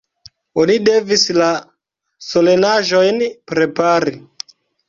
Oni devis la solenaĵojn prepari.